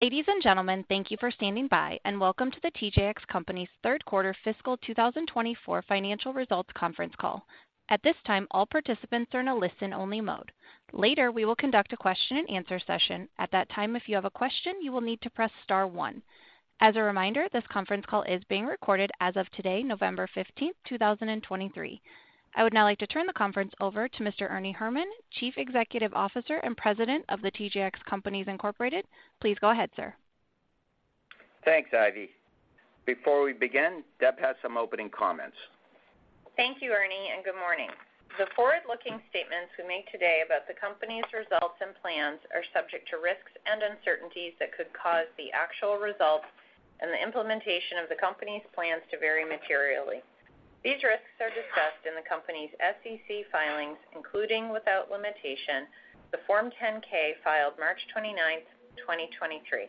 Ladies and gentlemen, thank you for standing by, and welcome to the TJX Companies' third quarter fiscal 2024 financial results conference call. At this time, all participants are in a listen-only mode. Later, we will conduct a question-and-answer session. At that time, if you have a question, you will need to press star one. As a reminder, this conference call is being recorded as of today, November 15th, 2023. I would now like to turn the conference over to Mr. Ernie Herrman, Chief Executive Officer and President of the TJX Companies Incorporated. Please go ahead, sir. Thanks, Ivy. Before we begin, Deb has some opening comments. Thank you, Ernie, and good morning. The forward-looking statements we make today about the company's results and plans are subject to risks and uncertainties that could cause the actual results and the implementation of the company's plans to vary materially. These risks are discussed in the company's SEC filings, including, without limitation, the Form 10-K filed March 29, 2023.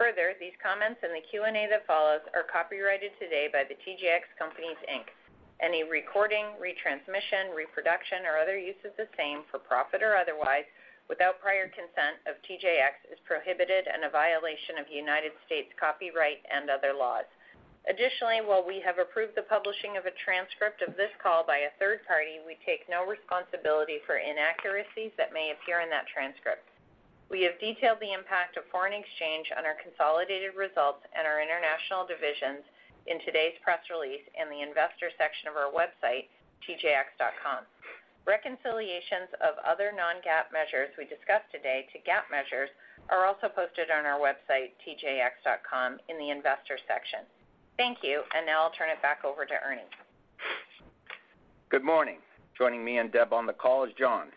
Further, these comments and the Q&A that follows are copyrighted today by the TJX Companies, Inc. Any recording, retransmission, reproduction, or other use of the same, for profit or otherwise, without prior consent of TJX, is prohibited and a violation of United States copyright and other laws. Additionally, while we have approved the publishing of a transcript of this call by a third party, we take no responsibility for inaccuracies that may appear in that transcript. We have detailed the impact of foreign exchange on our consolidated results and our international divisions in today's press release in the Investor section of our website, tjx.com. Reconciliations of other non-GAAP measures we discuss today to GAAP measures are also posted on our website, tjx.com, in the Investor section. Thank you, and now I'll turn it back over to Ernie. Good morning. Joining me and Deb on the call is John.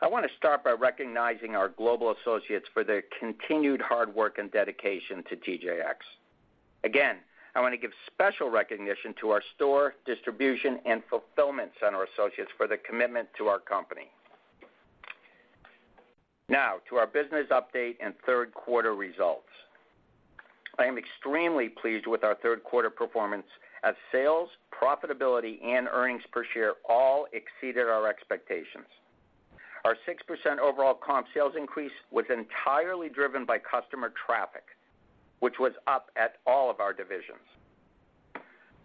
I want to start by recognizing our global associates for their continued hard work and dedication to TJX. Again, I want to give special recognition to our store, distribution, and fulfillment center associates for their commitment to our company. Now to our business update and third quarter results. I am extremely pleased with our third quarter performance as sales, profitability, and earnings per share all exceeded our expectations. Our 6% overall comp sales increase was entirely driven by customer traffic, which was up at all of our divisions.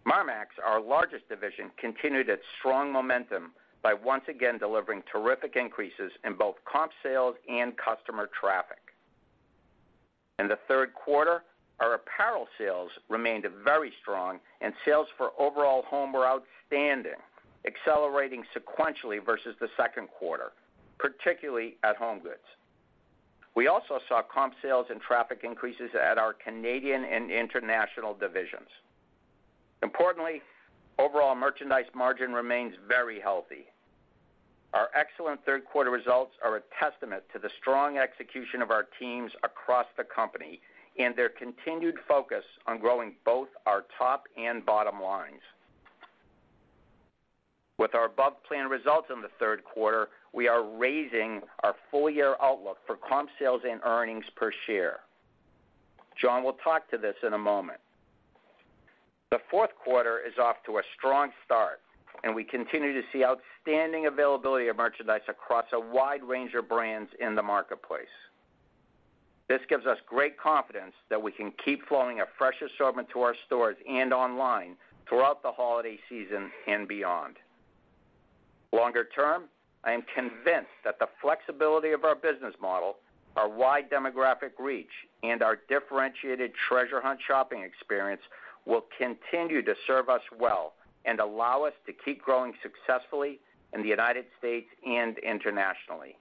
Marmaxx, our largest division, continued its strong momentum by once again delivering terrific increases in both comp sales and customer traffic. In the third quarter, our apparel sales remained very strong, and sales for overall home were outstanding, accelerating sequentially versus the second quarter, particularly at HomeGoods. We also saw comp sales and traffic increases at our Canadian and international divisions. Importantly, overall merchandise margin remains very healthy. Our excellent third quarter results are a testament to the strong execution of our teams across the company and their continued focus on growing both our top and bottom lines. With our above-plan results in the third quarter, we are raising our full-year outlook for comp sales and earnings per share. John will talk to this in a moment. The fourth quarter is off to a strong start, and we continue to see outstanding availability of merchandise across a wide range of brands in the marketplace. This gives us great confidence that we can keep flowing a fresh assortment to our stores and online throughout the holiday season and beyond. Longer term, I am convinced that the flexibility of our business model, our wide demographic reach, and our differentiated treasure hunt shopping experience will continue to serve us well and allow us to keep growing successfully in the United States and internationally.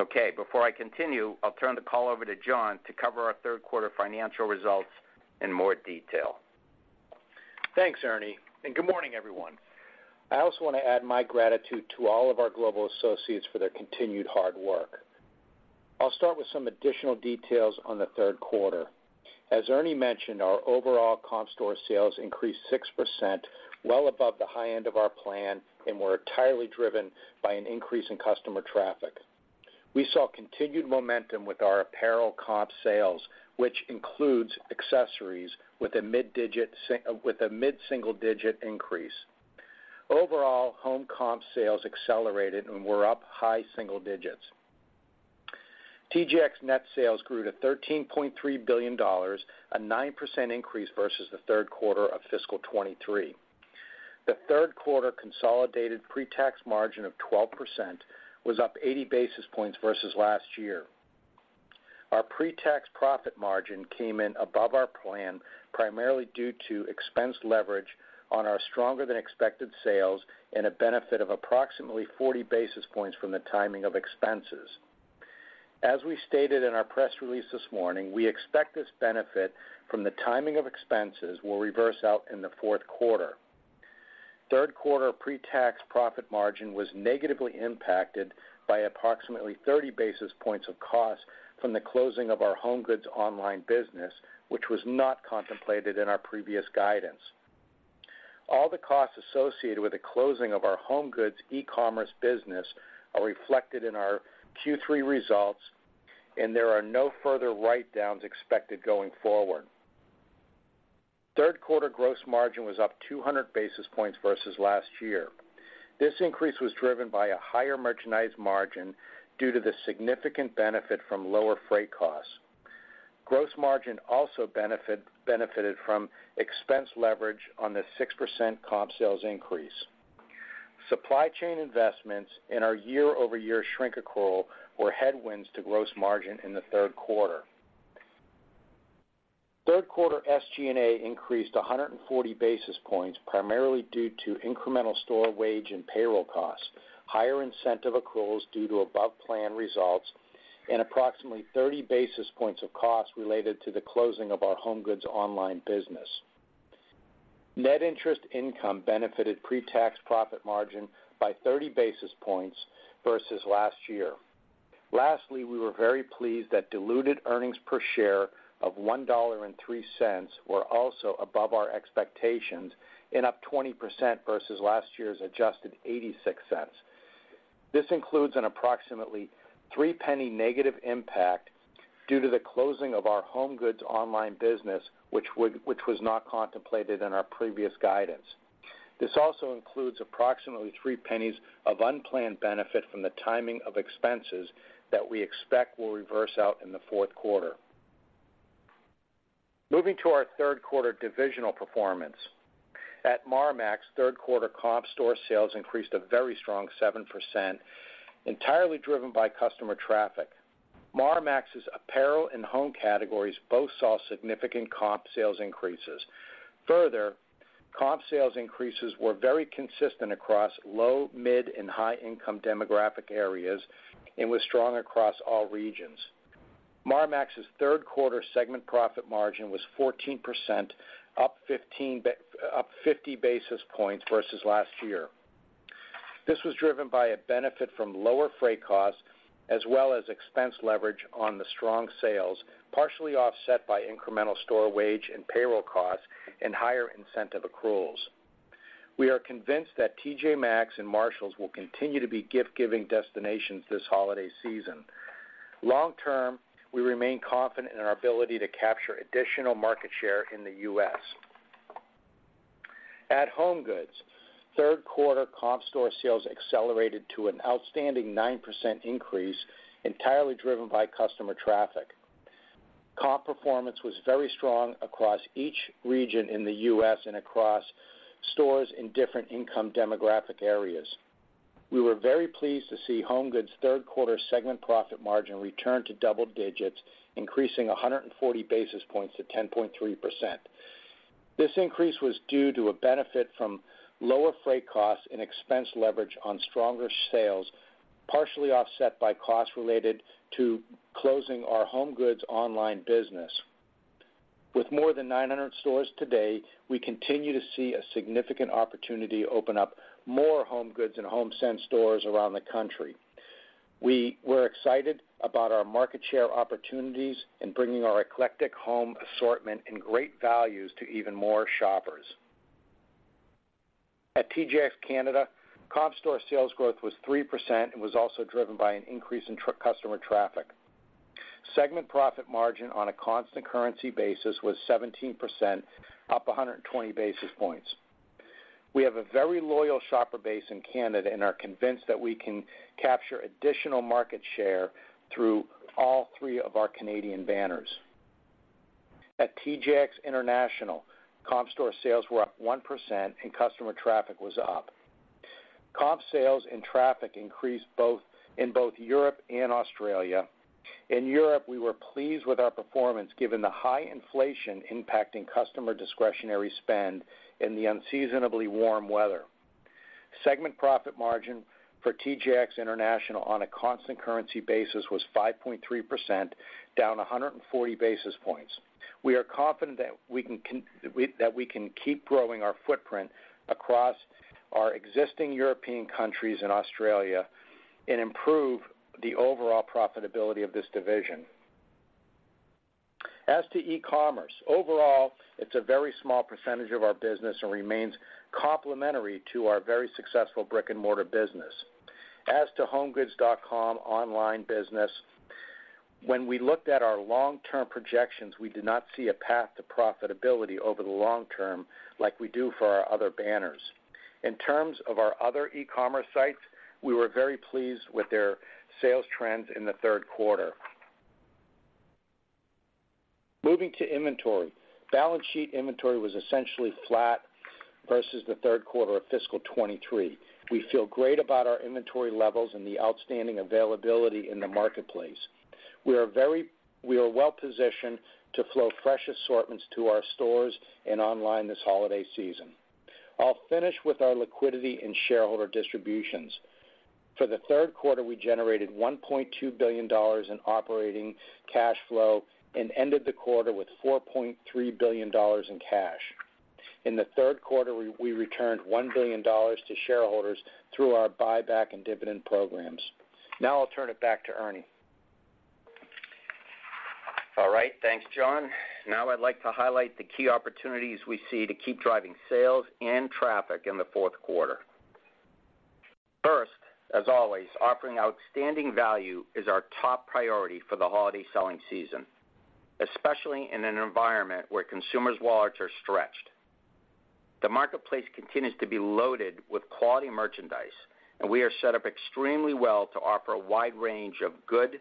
Okay, before I continue, I'll turn the call over to John to cover our third quarter financial results in more detail. Thanks, Ernie, and good morning, everyone. I also want to add my gratitude to all of our global associates for their continued hard work. I'll start with some additional details on the third quarter. As Ernie mentioned, our overall comp store sales increased 6%, well above the high end of our plan, and were entirely driven by an increase in customer traffic. We saw continued momentum with our apparel comp sales, which includes accessories, with a mid-single-digit increase. Overall, home comp sales accelerated and were up high single digits. TJX net sales grew to $13.3 billion, a 9% increase versus the third quarter of fiscal 2023. The third quarter consolidated pre-tax margin of 12% was up 80 basis points versus last year. Our pre-tax profit margin came in above our plan, primarily due to expense leverage on our stronger-than-expected sales and a benefit of approximately 40 basis points from the timing of expenses. As we stated in our press release this morning, we expect this benefit from the timing of expenses will reverse out in the fourth quarter. Third quarter pre-tax profit margin was negatively impacted by approximately 30 basis points of cost from the closing of our HomeGoods online business, which was not contemplated in our previous guidance. All the costs associated with the closing of our HomeGoods e-commerce business are reflected in our Q3 results, and there are no further write-downs expected going forward.... Third quarter gross margin was up 200 basis points versus last year. This increase was driven by a higher merchandise margin due to the significant benefit from lower freight costs. Gross margin also benefited from expense leverage on the 6% comp sales increase. Supply chain investments in our year-over-year shrink accrual were headwinds to gross margin in the third quarter. Third quarter SG&A increased 140 basis points, primarily due to incremental store wage and payroll costs, higher incentive accruals due to above-plan results, and approximately 30 basis points of costs related to the closing of our HomeGoods online business. Net interest income benefited pre-tax profit margin by 30 basis points versus last year. Lastly, we were very pleased that diluted earnings per share of $1.03 were also above our expectations and up 20% versus last year's adjusted $0.86. This includes an approximately $0.03 negative impact due to the closing of our HomeGoods online business, which was not contemplated in our previous guidance. This also includes approximately $0.03 of unplanned benefit from the timing of expenses that we expect will reverse out in the fourth quarter. Moving to our third quarter divisional performance. At Marmaxx, third quarter comp store sales increased a very strong 7%, entirely driven by customer traffic. Marmaxx's apparel and home categories both saw significant comp sales increases. Further, comp sales increases were very consistent across low, mid, and high income demographic areas and was strong across all regions. Marmaxx's third quarter segment profit margin was 14%, up 50 basis points versus last year. This was driven by a benefit from lower freight costs, as well as expense leverage on the strong sales, partially offset by incremental store wage and payroll costs and higher incentive accruals. We are convinced that T.J. Maxx and Marshalls will continue to be gift-giving destinations this holiday season. Long term, we remain confident in our ability to capture additional market share in the U.S. At HomeGoods, third quarter comp store sales accelerated to an outstanding 9% increase, entirely driven by customer traffic. Comp performance was very strong across each region in the U.S. and across stores in different income demographic areas. We were very pleased to see HomeGoods' third quarter segment profit margin return to double digits, increasing 140 basis points to 10.3%. This increase was due to a benefit from lower freight costs and expense leverage on stronger sales, partially offset by costs related to closing our HomeGoods online business. With more than 900 stores today, we continue to see a significant opportunity to open up more HomeGoods and HomeSense stores around the country. We were excited about our market share opportunities in bringing our eclectic home assortment and great values to even more shoppers. At TJX Canada, comp store sales growth was 3% and was also driven by an increase in customer traffic. Segment profit margin on a constant currency basis was 17%, up 120 basis points. We have a very loyal shopper base in Canada and are convinced that we can capture additional market share through all three of our Canadian banners. At TJX International, comp store sales were up 1% and customer traffic was up. Comp sales and traffic increased in both Europe and Australia. In Europe, we were pleased with our performance, given the high inflation impacting customer discretionary spend and the unseasonably warm weather. Segment profit margin for TJX International on a constant currency basis was 5.3%, down 140 basis points. We are confident that we can keep growing our footprint across our existing European countries and Australia and improve the overall profitability of this division. As to e-commerce, overall, it's a very small percentage of our business and remains complementary to our very successful brick-and-mortar business. As to HomeGoods.com online business, when we looked at our long-term projections, we did not see a path to profitability over the long term like we do for our other banners. In terms of our other e-commerce sites, we were very pleased with their sales trends in the third quarter. Moving to inventory. Balance sheet inventory was essentially flat versus the third quarter of fiscal 2023. We feel great about our inventory levels and the outstanding availability in the marketplace. We are well positioned to flow fresh assortments to our stores and online this holiday season. I'll finish with our liquidity and shareholder distributions. For the third quarter, we generated $1.2 billion in operating cash flow and ended the quarter with $4.3 billion in cash. In the third quarter, we returned $1 billion to shareholders through our buyback and dividend programs. Now I'll turn it back to Ernie. All right. Thanks, John. Now I'd like to highlight the key opportunities we see to keep driving sales and traffic in the fourth quarter. As always, offering outstanding value is our top priority for the holiday selling season, especially in an environment where consumers' wallets are stretched. The marketplace continues to be loaded with quality merchandise, and we are set up extremely well to offer a wide range of good,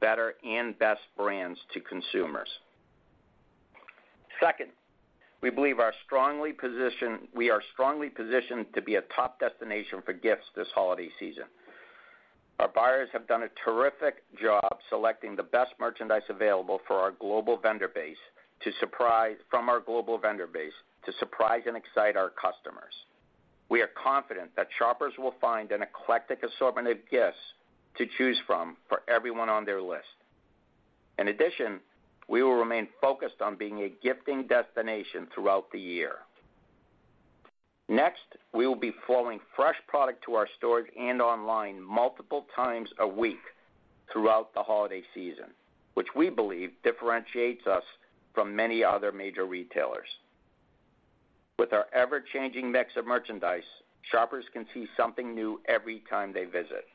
better, and best brands to consumers. Second, we believe we are strongly positioned to be a top destination for gifts this holiday season. Our buyers have done a terrific job selecting the best merchandise available from our global vendor base to surprise and excite our customers. We are confident that shoppers will find an eclectic assortment of gifts to choose from for everyone on their list. In addition, we will remain focused on being a gifting destination throughout the year. Next, we will be flowing fresh product to our stores and online multiple times a week throughout the holiday season, which we believe differentiates us from many other major retailers. With our ever-changing mix of merchandise, shoppers can see something new every time they visit.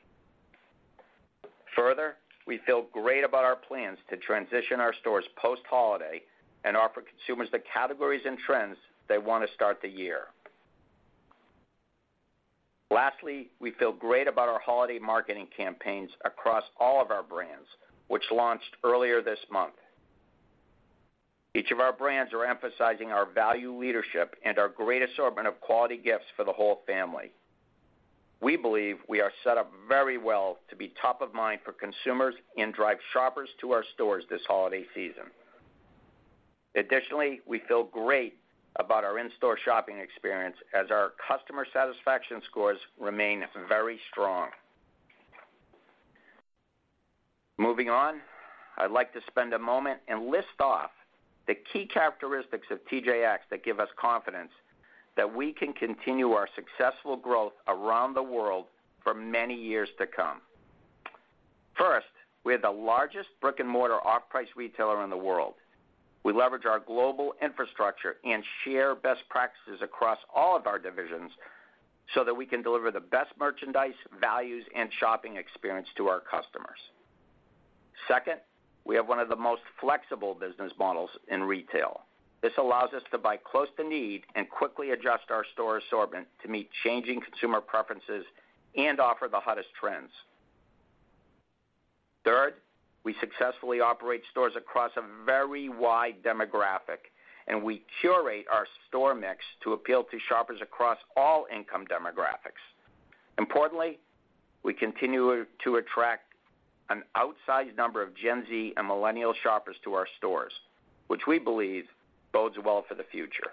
Further, we feel great about our plans to transition our stores post-holiday and offer consumers the categories and trends they want to start the year. Lastly, we feel great about our holiday marketing campaigns across all of our brands, which launched earlier this month. Each of our brands are emphasizing our value leadership and our great assortment of quality gifts for the whole family. We believe we are set up very well to be top of mind for consumers and drive shoppers to our stores this holiday season. Additionally, we feel great about our in-store shopping experience, as our customer satisfaction scores remain very strong. Moving on, I'd like to spend a moment and list off the key characteristics of TJX that give us confidence that we can continue our successful growth around the world for many years to come. First, we are the largest brick-and-mortar off-price retailer in the world. We leverage our global infrastructure and share best practices across all of our divisions so that we can deliver the best merchandise, values, and shopping experience to our customers. Second, we have one of the most flexible business models in retail. This allows us to buy close to need and quickly adjust our store assortment to meet changing consumer preferences and offer the hottest trends. Third, we successfully operate stores across a very wide demographic, and we curate our store mix to appeal to shoppers across all income demographics. Importantly, we continue to attract an outsized number of Gen Z and Millennial shoppers to our stores, which we believe bodes well for the future.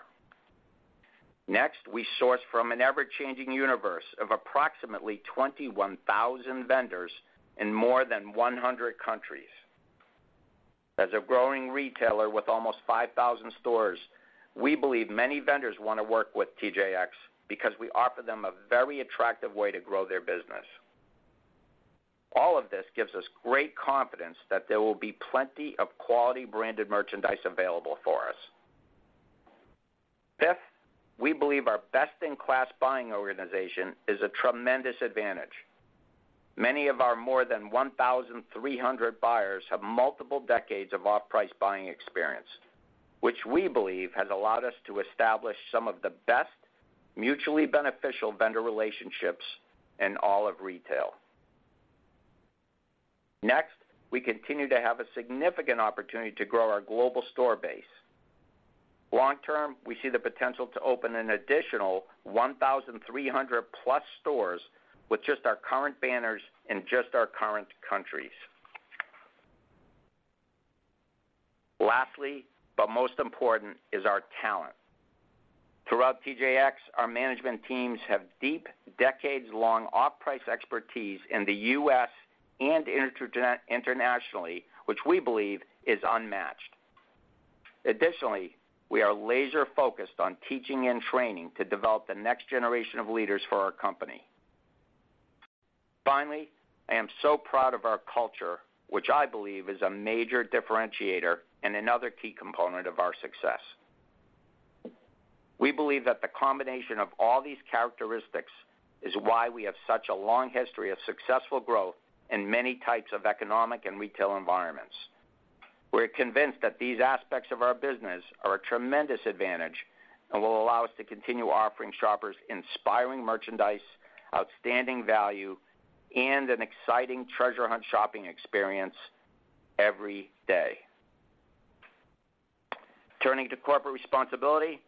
Next, we source from an ever-changing universe of approximately 21,000 vendors in more than 100 countries. As a growing retailer with almost 5,000 stores, we believe many vendors want to work with TJX because we offer them a very attractive way to grow their business. All of this gives us great confidence that there will be plenty of quality branded merchandise available for us. Fifth, we believe our best-in-class buying organization is a tremendous advantage. Many of our more than 1,300 buyers have multiple decades of off-price buying experience, which we believe has allowed us to establish some of the best mutually beneficial vendor relationships in all of retail. Next, we continue to have a significant opportunity to grow our global store base. Long term, we see the potential to open an additional 1,300+ stores with just our current banners in just our current countries. Lastly, but most important, is our talent. Throughout TJX, our management teams have deep, decades-long off-price expertise in the U.S. and internationally, which we believe is unmatched. Additionally, we are laser focused on teaching and training to develop the next generation of leaders for our company. Finally, I am so proud of our culture, which I believe is a major differentiator and another key component of our success. We believe that the combination of all these characteristics is why we have such a long history of successful growth in many types of economic and retail environments. We're convinced that these aspects of our business are a tremendous advantage and will allow us to continue offering shoppers inspiring merchandise, outstanding value, and an exciting treasure hunt shopping experience every day. Turning to corporate responsibility,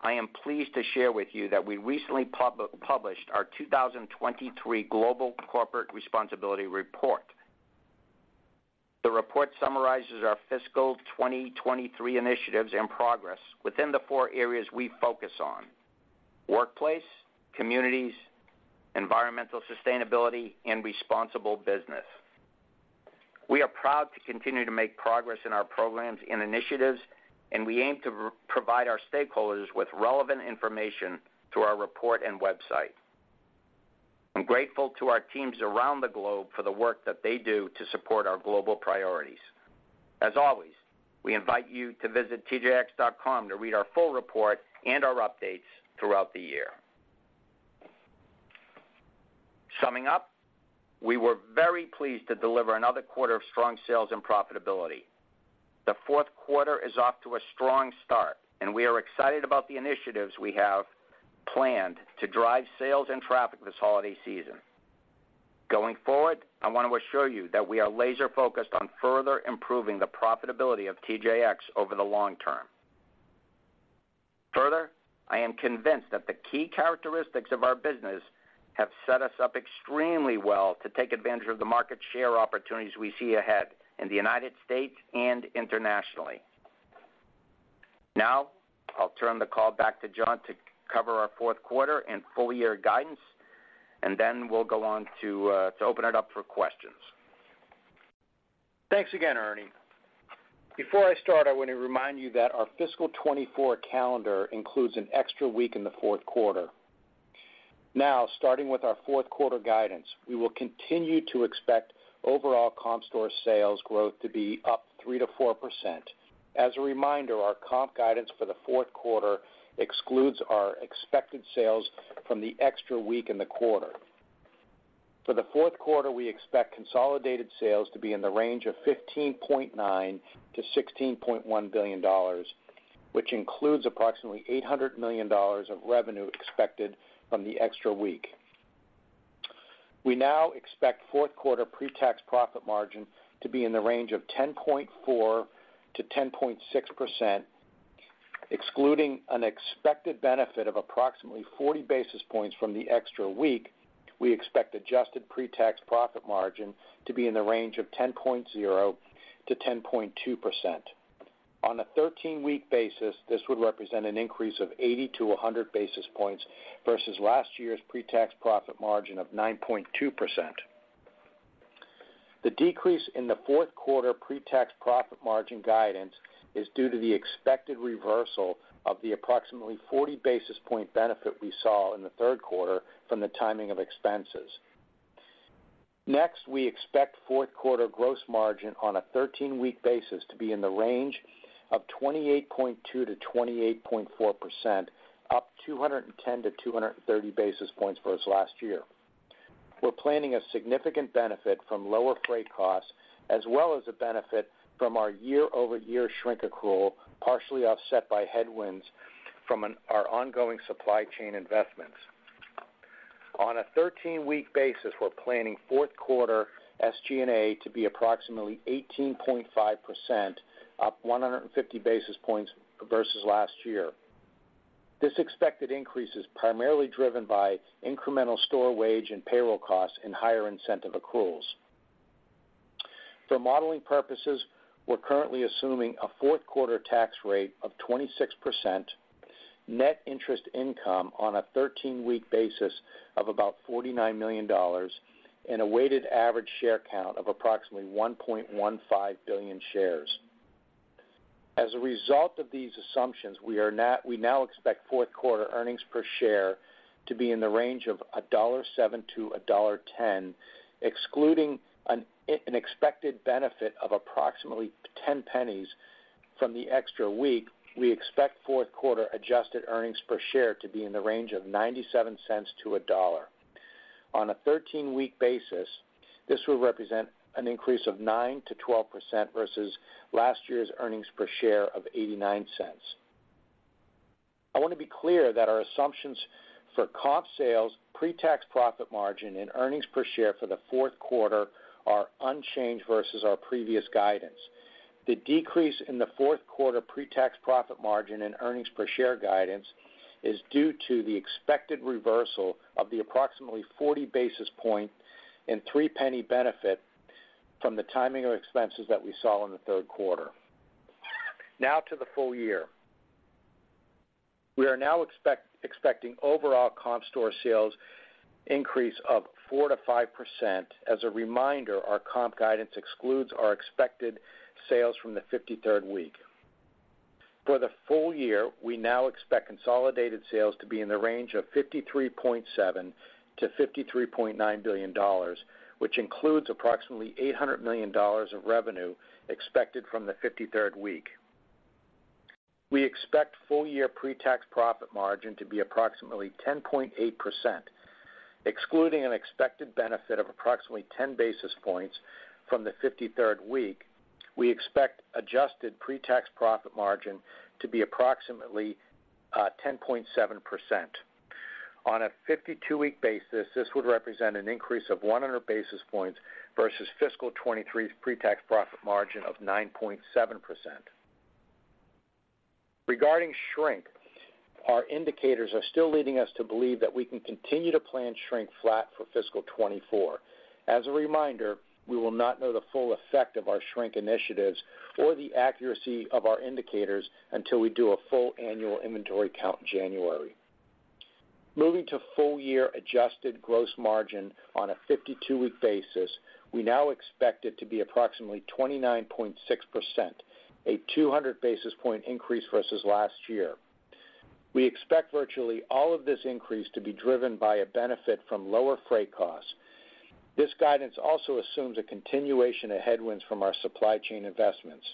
I am pleased to share with you that we recently published our 2023 Global Corporate Responsibility Report. The report summarizes our fiscal 2023 initiatives and progress within the four areas we focus on: workplace, communities, environmental sustainability, and responsible business. We are proud to continue to make progress in our programs and initiatives, and we aim to provide our stakeholders with relevant information through our report and website. I'm grateful to our teams around the globe for the work that they do to support our global priorities.... As always, we invite you to visit tjx.com to read our full report and our updates throughout the year. Summing up, we were very pleased to deliver another quarter of strong sales and profitability. The fourth quarter is off to a strong start, and we are excited about the initiatives we have planned to drive sales and traffic this holiday season. Going forward, I want to assure you that we are laser focused on further improving the profitability of TJX over the long term. Further, I am convinced that the key characteristics of our business have set us up extremely well to take advantage of the market share opportunities we see ahead in the United States and internationally. Now, I'll turn the call back to John to cover our fourth quarter and full year guidance, and then we'll go on to to open it up for questions. Thanks again, Ernie. Before I start, I want to remind you that our fiscal 2024 calendar includes an extra week in the fourth quarter. Now, starting with our fourth quarter guidance, we will continue to expect overall comp store sales growth to be up 3%-4%. As a reminder, our comp guidance for the fourth quarter excludes our expected sales from the extra week in the quarter. For the fourth quarter, we expect consolidated sales to be in the range of $15.9 billion-$16.1 billion, which includes approximately $800 million of revenue expected from the extra week. We now expect fourth quarter pre-tax profit margin to be in the range of 10.4%-10.6%. Excluding an expected benefit of approximately 40 basis points from the extra week, we expect adjusted pre-tax profit margin to be in the range of 10.0%-10.2%. On a thirteen-week basis, this would represent an increase of 80-100 basis points versus last year's pre-tax profit margin of 9.2%. The decrease in the fourth quarter pre-tax profit margin guidance is due to the expected reversal of the approximately 40 basis point benefit we saw in the third quarter from the timing of expenses. Next, we expect fourth quarter gross margin on a thirteen-week basis to be in the range of 28.2%-28.4%, up 210-230 basis points versus last year. We're planning a significant benefit from lower freight costs, as well as a benefit from our year-over-year shrink accrual, partially offset by headwinds from our ongoing supply chain investments. On a 13-week basis, we're planning fourth quarter SG&A to be approximately 18.5%, up 150 basis points versus last year. This expected increase is primarily driven by incremental store wage and payroll costs and higher incentive accruals. For modeling purposes, we're currently assuming a fourth quarter tax rate of 26%, net interest income on a 13-week basis of about $49 million, and a weighted average share count of approximately 1.15 billion shares. As a result of these assumptions, we now expect fourth quarter earnings per share to be in the range of $1.07-$1.10, excluding an expected benefit of approximately $0.10 from the extra week, we expect fourth quarter adjusted earnings per share to be in the range of $0.97-$1.00. On a 13-week basis, this will represent an increase of 9%-12% versus last year's earnings per share of $0.89. I want to be clear that our assumptions for comp sales, pre-tax profit margin, and earnings per share for the fourth quarter are unchanged versus our previous guidance. The decrease in the fourth quarter pre-tax profit margin and earnings per share guidance is due to the expected reversal of the approximately 40 basis points and 3 penny benefit from the timing of expenses that we saw in the third quarter. Now to the full year. We are now expecting overall comp store sales increase of 4%-5%. As a reminder, our comp guidance excludes our expected sales from the 53rd week. For the full year, we now expect consolidated sales to be in the range of $53.7 billion-$53.9 billion, which includes approximately $800 million of revenue expected from the 53rd week. We expect full-year pre-tax profit margin to be approximately 10.8%, excluding an expected benefit of approximately 10 basis points from the 53rd week. We expect adjusted pre-tax profit margin to be approximately 10.7%. On a 52-week basis, this would represent an increase of 100 basis points versus fiscal 2023's pre-tax profit margin of 9.7%. Regarding shrink, our indicators are still leading us to believe that we can continue to plan shrink flat for fiscal 2024. As a reminder, we will not know the full effect of our shrink initiatives or the accuracy of our indicators until we do a full annual inventory count in January. Moving to full-year adjusted gross margin on a 52-week basis, we now expect it to be approximately 29.6%, a 200 basis point increase versus last year.... We expect virtually all of this increase to be driven by a benefit from lower freight costs. This guidance also assumes a continuation of headwinds from our supply chain investments.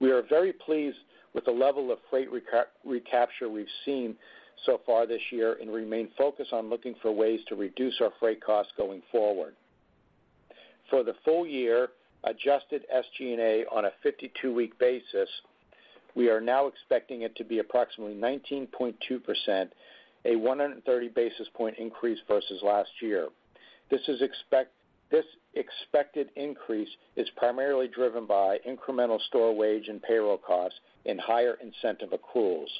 We are very pleased with the level of freight recapture we've seen so far this year and remain focused on looking for ways to reduce our freight costs going forward. For the full year, adjusted SG&A on a 52-week basis, we are now expecting it to be approximately 19.2%, a 130 basis point increase versus last year. This expected increase is primarily driven by incremental store wage and payroll costs and higher incentive accruals.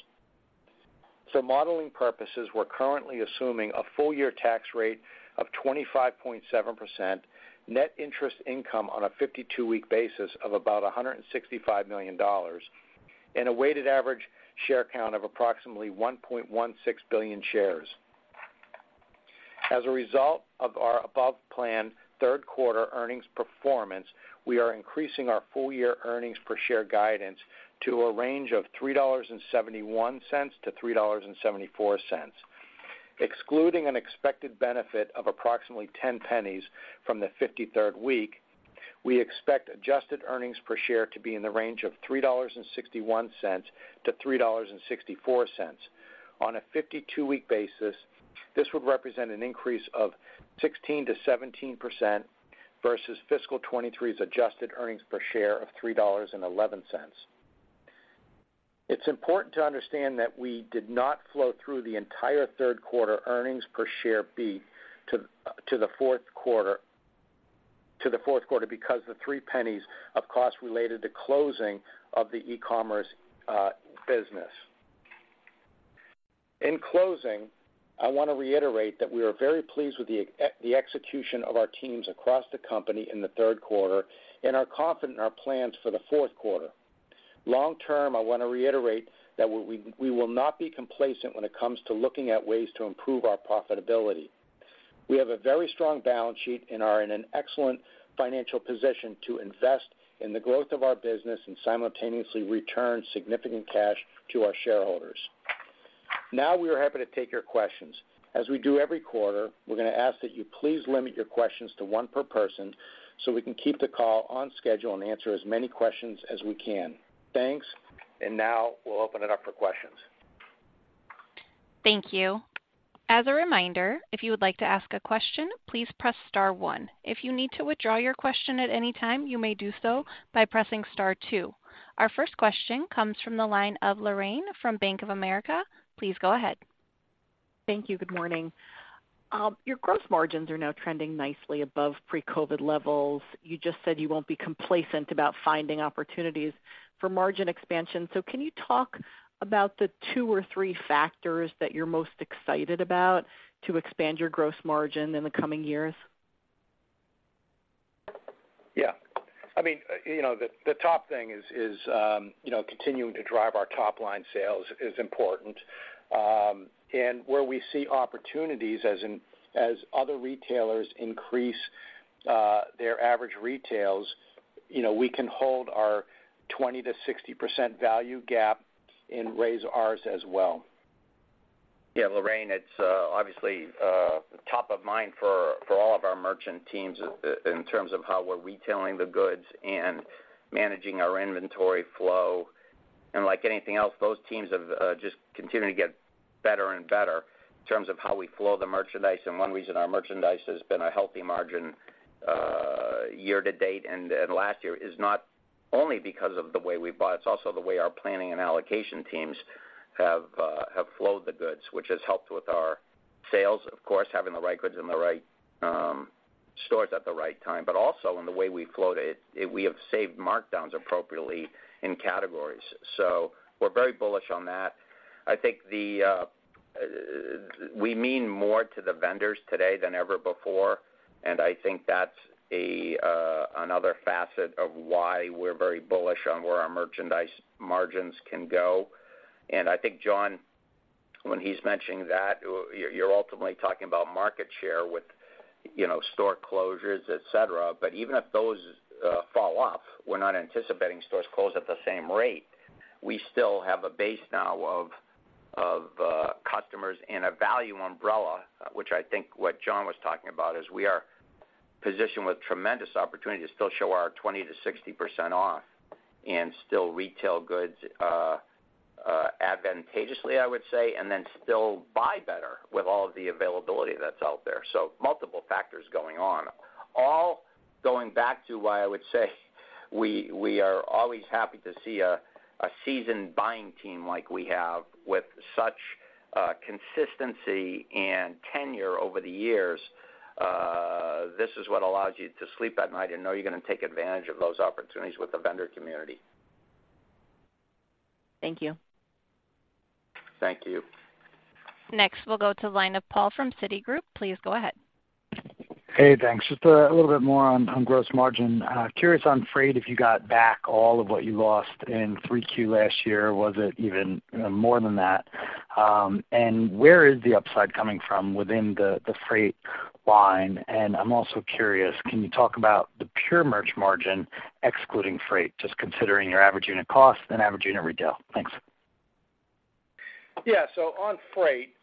For modeling purposes, we're currently assuming a full year tax rate of 25.7%, net interest income on a 52-week basis of about $165 million, and a weighted average share count of approximately 1.16 billion shares. As a result of our above-plan third quarter earnings performance, we are increasing our full year earnings per share guidance to a range of $3.71-$3.74. Excluding an expected benefit of approximately $0.10 from the 53rd week, we expect adjusted earnings per share to be in the range of $3.61-$3.64. On a 52-week basis, this would represent an increase of 16%-17% versus fiscal 2023's adjusted earnings per share of $3.11. It's important to understand that we did not flow through the entire third quarter earnings per share beat to the fourth quarter because the $0.03 of costs related to closing of the e-commerce business. In closing, I want to reiterate that we are very pleased with the execution of our teams across the company in the third quarter and are confident in our plans for the fourth quarter. Long term, I want to reiterate that we will not be complacent when it comes to looking at ways to improve our profitability. We have a very strong balance sheet and are in an excellent financial position to invest in the growth of our business and simultaneously return significant cash to our shareholders. Now we are happy to take your questions. As we do every quarter, we're going to ask that you please limit your questions to one per person, so we can keep the call on schedule and answer as many questions as we can. Thanks. Now we'll open it up for questions. Thank you. As a reminder, if you would like to ask a question, please press star one. If you need to withdraw your question at any time, you may do so by pressing star two. Our first question comes from the line of Lorraine from Bank of America. Please go ahead. Thank you. Good morning. Your gross margins are now trending nicely above pre-COVID levels. You just said you won't be complacent about finding opportunities for margin expansion. So can you talk about the two or three factors that you're most excited about to expand your gross margin in the coming years? Yeah. I mean, you know, the top thing is, you know, continuing to drive our top line sales is important. And where we see opportunities as in, as other retailers increase their average retails, you know, we can hold our 20%-60% value gap and raise ours as well. Yeah, Lorraine, it's obviously top of mind for all of our merchant teams in terms of how we're retailing the goods and managing our inventory flow. And like anything else, those teams have just continued to get better and better in terms of how we flow the merchandise. And one reason our merchandise has been a healthy margin year to date and last year is not only because of the way we bought, it's also the way our planning and allocation teams have flowed the goods, which has helped with our sales, of course, having the right goods in the right stores at the right time, but also in the way we flowed it, we have saved markdowns appropriately in categories. So we're very bullish on that. I think the we mean more to the vendors today than ever before, and I think that's another facet of why we're very bullish on where our merchandise margins can go. And I think, John, when he's mentioning that, you're ultimately talking about market share with, you know, store closures, et cetera. But even if those fall off, we're not anticipating stores close at the same rate. We still have a base now of customers and a value umbrella, which I think what John was talking about, is we are positioned with tremendous opportunity to still show our 20%-60% off and still retail goods advantageously, I would say, and then still buy better with all of the availability that's out there. So multiple factors going on. All going back to why I would say we are always happy to see a seasoned buying team like we have with such consistency and tenure over the years. This is what allows you to sleep at night and know you're going to take advantage of those opportunities with the vendor community. Thank you. Thank you. Next, we'll go to the line of Paul from Citigroup. Please go ahead. Hey, thanks. Just a little bit more on gross margin. Curious on freight, if you got back all of what you lost in 3Q last year, was it even more than that? ... and where is the upside coming from within the freight line? And I'm also curious, can you talk about the pure merch margin excluding freight, just considering your average unit cost and average unit retail? Thanks. Yeah. So on freight,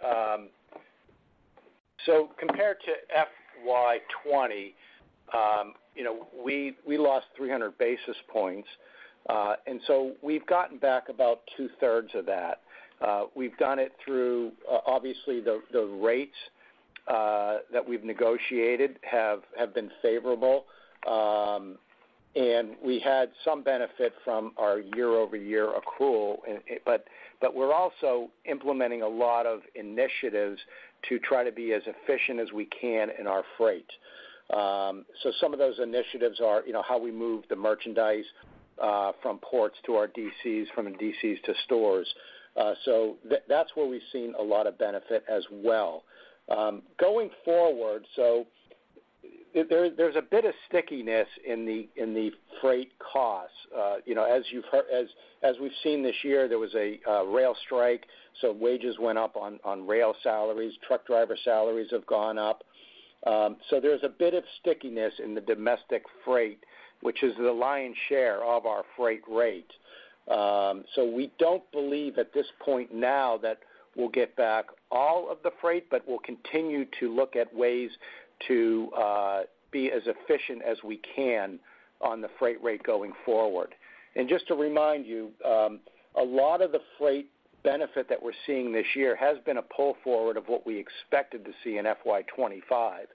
so compared to FY 2020, you know, we lost 300 basis points, and so we've gotten back about two thirds of that. We've done it through, obviously, the rates that we've negotiated have been favorable. And we had some benefit from our year-over-year accrual, but we're also implementing a lot of initiatives to try to be as efficient as we can in our freight. So some of those initiatives are, you know, how we move the merchandise from ports to our DCs, from the DCs to stores. So that's where we've seen a lot of benefit as well. Going forward, so there, there's a bit of stickiness in the freight costs. You know, as you've heard, as we've seen this year, there was a rail strike, so wages went up on rail salaries. Truck driver salaries have gone up. So there's a bit of stickiness in the domestic freight, which is the lion's share of our freight rate. So we don't believe at this point now that we'll get back all of the freight, but we'll continue to look at ways to be as efficient as we can on the freight rate going forward. And just to remind you, a lot of the freight benefit that we're seeing this year has been a pull forward of what we expected to see in FY 2025.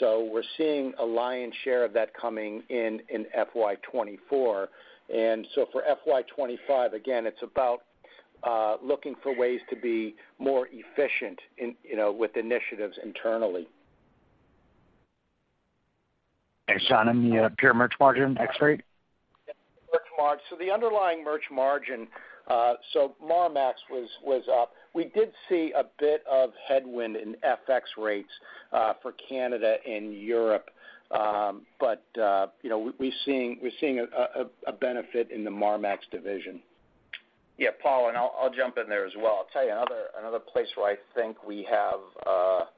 So we're seeing a lion's share of that coming in FY 2024. And so for FY 25, again, it's about looking for ways to be more efficient in, you know, with initiatives internally. John, on the pure merch margin, ex freight? Merch margin. So the underlying merch margin, so Marmaxx was up. We did see a bit of headwind in FX rates for Canada and Europe. But you know, we're seeing a benefit in the Marmaxx division. Yeah, Paul, and I'll jump in there as well. I'll tell you another place where I think we have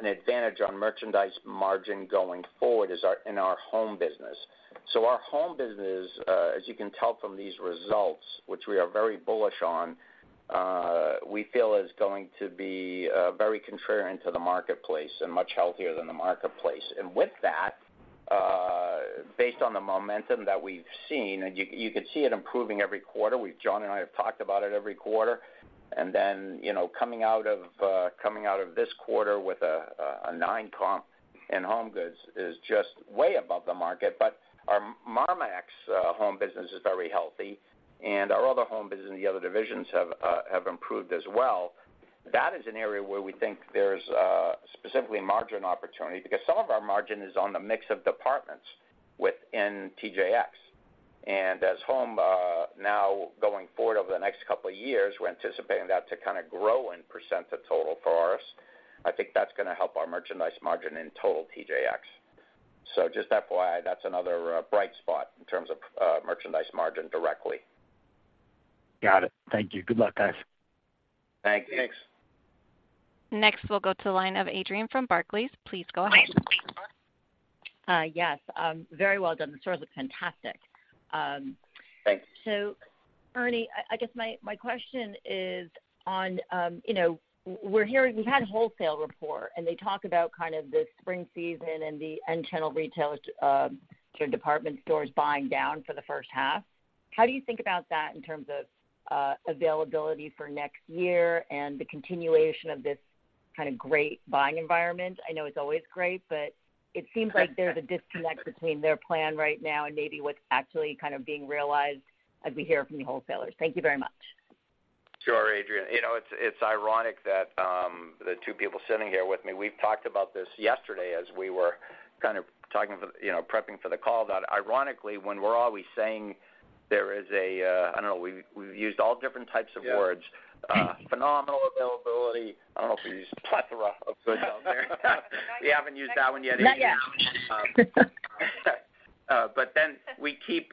an advantage on merchandise margin going forward is in our home business. So our home business, as you can tell from these results, which we are very bullish on, we feel is going to be very contrarian to the marketplace and much healthier than the marketplace. And with that, based on the momentum that we've seen, and you can see it improving every quarter. John and I have talked about it every quarter. And then, you know, coming out of this quarter with a 9 comp in HomeGoods is just way above the market. But our Marmaxx home business is very healthy, and our other home business and the other divisions have improved as well. That is an area where we think there's specifically margin opportunity, because some of our margin is on the mix of departments within TJX. And as home now, going forward over the next couple of years, we're anticipating that to kind of grow in percent of total for us. I think that's gonna help our merchandise margin in total TJX. So just FYI, that's another bright spot in terms of merchandise margin directly. Got it. Thank you. Good luck, guys. Thank you. Thanks. Next, we'll go to the line of Adrienne from Barclays. Please go ahead. Yes, very well done. The stores look fantastic. Thanks. So, Ernie, I guess my question is on, you know, we're hearing—we had wholesale report, and they talk about kind of the spring season and the end channel retailers, or department stores buying down for the first half. How do you think about that in terms of, availability for next year and the continuation of this kind of great buying environment? I know it's always great, but it seems like there's a disconnect between their plan right now and maybe what's actually kind of being realized as we hear from the wholesalers. Thank you very much. Sure, Adrienne. You know, it's ironic that the two people sitting here with me, we've talked about this yesterday as we were kind of talking for the, you know, prepping for the call. That ironically, when we're always saying there is a, I don't know, we've used all different types of words. Yeah. Phenomenal availability. I don't know if we used plethora of goods out there. We haven't used that one yet either. Not yet. But then we keep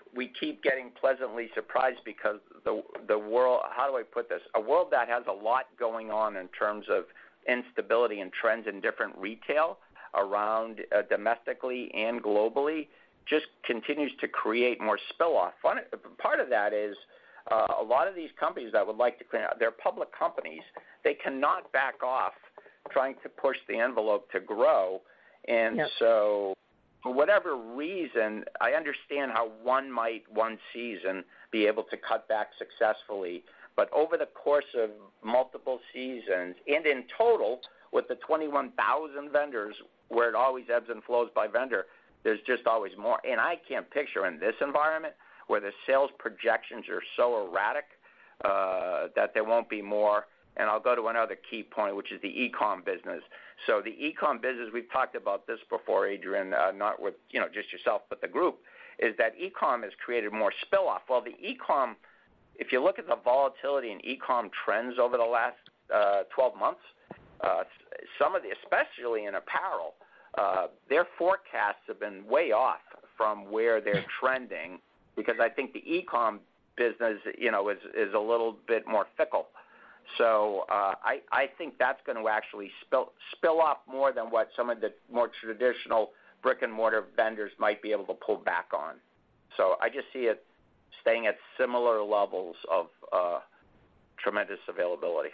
getting pleasantly surprised because the world—how do I put this? A world that has a lot going on in terms of instability and trends in different retail around, domestically and globally, just continues to create more spill off. Part of that is, a lot of these companies that would like to clean out, they're public companies, they cannot back off trying to push the envelope to grow. Yep. And so for whatever reason, I understand how one might, one season, be able to cut back successfully. But over the course of multiple seasons and in total, with the 21,000 vendors, where it always ebbs and flows by vendor, there's just always more. And I can't picture in this environment, where the sales projections are so erratic, that there won't be more. And I'll go to another key point, which is the e-com business. So the e-com business, we've talked about this before, Adrienne, not with, you know, just yourself, but the group, is that e-com has created more spill off. Well, the e-com, if you look at the volatility in e-com trends over the last, 12 months-... Some of the, especially in apparel, their forecasts have been way off from where they're trending, because I think the e-com business, you know, is a little bit more fickle. So, I think that's going to actually spill off more than what some of the more traditional brick-and-mortar vendors might be able to pull back on. So I just see it staying at similar levels of tremendous availability.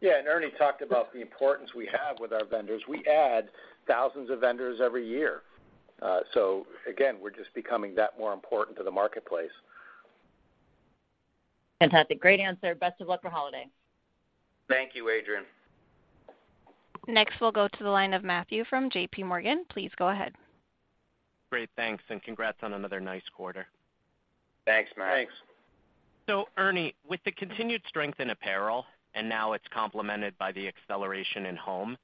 Yeah, and Ernie talked about the importance we have with our vendors. We add thousands of vendors every year. So again, we're just becoming that more important to the marketplace. Fantastic. Great answer. Best of luck for holiday. Thank you, Adrienne. Next, we'll go to the line of Matthew from J.P. Morgan. Please go ahead. Great. Thanks, and congrats on another nice quarter. Thanks, Matt. Thanks. So Ernie, with the continued strength in apparel, and now it's complemented by the acceleration in home,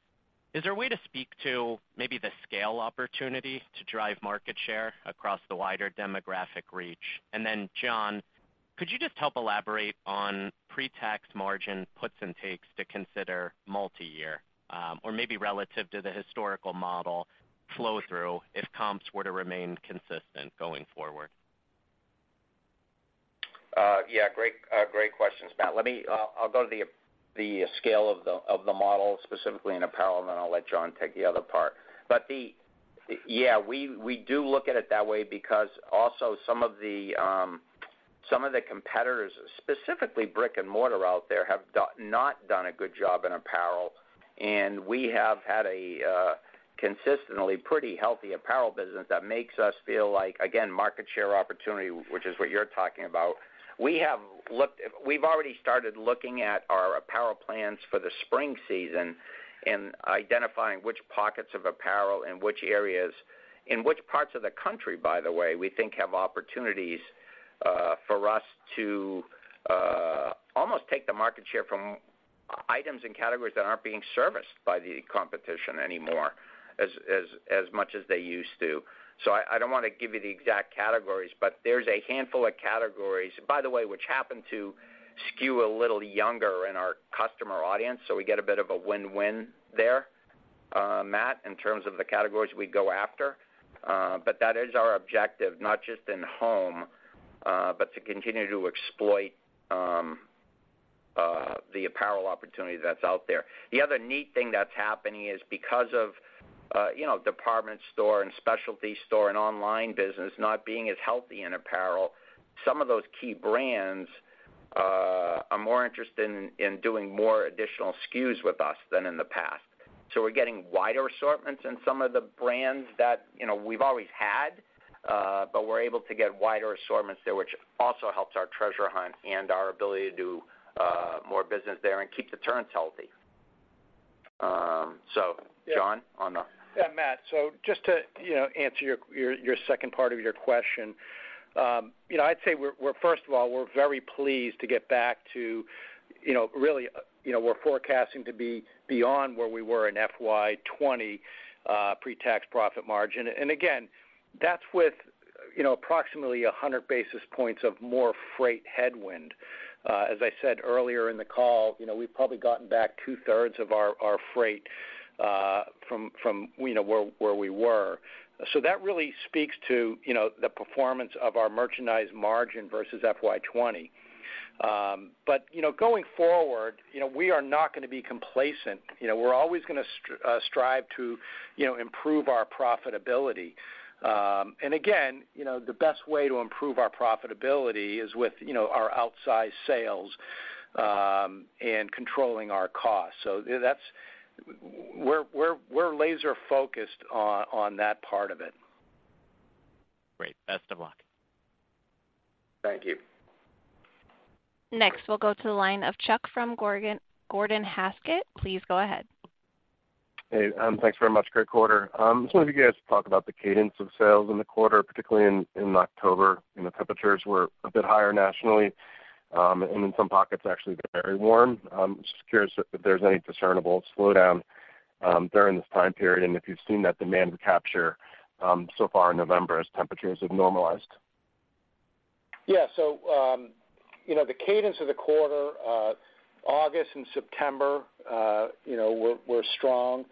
is there a way to speak to maybe the scale opportunity to drive market share across the wider demographic reach? And then, John, could you just help elaborate on pre-tax margin puts and takes to consider multiyear, or maybe relative to the historical model flow-through if comps were to remain consistent going forward? Yeah, great, great questions, Matt. Let me, I'll go to the scale of the model, specifically in apparel, and then I'll let John take the other part. But yeah, we do look at it that way because also some of the competitors, specifically brick-and-mortar out there, have not done a good job in apparel. And we have had a consistently pretty healthy apparel business that makes us feel like, again, market share opportunity, which is what you're talking about. We've already started looking at our apparel plans for the spring season and identifying which pockets of apparel and which areas, in which parts of the country, by the way, we think have opportunities for us to almost take the market share from items and categories that aren't being serviced by the competition anymore, as much as they used to. So I don't want to give you the exact categories, but there's a handful of categories, by the way, which happen to skew a little younger in our customer audience, so we get a bit of a win-win there, Matt, in terms of the categories we go after. But that is our objective, not just in home, but to continue to exploit the apparel opportunity that's out there. The other neat thing that's happening is because of, you know, department store and specialty store and online business not being as healthy in apparel, some of those key brands are more interested in doing more additional SKUs with us than in the past. So we're getting wider assortments in some of the brands that, you know, we've always had, but we're able to get wider assortments there, which also helps our treasure hunt and our ability to do more business there and keep the turns healthy. So, John, on the- Yeah, Matt, so just to, you know, answer your second part of your question. You know, I'd say we're first of all, we're very pleased to get back to, you know, really, you know, we're forecasting to be beyond where we were in FY 2020 pre-tax profit margin. And again, that's with, you know, approximately 100 basis points of more freight headwind. As I said earlier in the call, you know, we've probably gotten back two-thirds of our freight from, you know, where we were. So that really speaks to, you know, the performance of our merchandise margin versus FY 2020. But, you know, going forward, you know, we are not going to be complacent. You know, we're always gonna strive to, you know, improve our profitability. And again, you know, the best way to improve our profitability is with, you know, our outsized sales, and controlling our costs. So that's -- we're laser focused on that part of it. Great. Best of luck. Thank you. Next, we'll go to the line of Chuck from Gordon Haskett. Please go ahead. Hey, thanks very much. Great quarter. Just wonder if you guys could talk about the cadence of sales in the quarter, particularly in October. You know, temperatures were a bit higher nationally, and in some pockets, actually very warm. Just curious if there's any discernible slowdown during this time period and if you've seen that demand capture so far in November as temperatures have normalized. Yeah. So, you know, the cadence of the quarter, August and September, you know, were strong.